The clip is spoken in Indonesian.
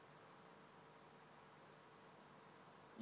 yang saya hormati bapak ketua para wakil ketua dan para anggota mpr republik indonesia